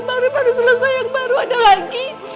baru baru selesai yang baru ada lagi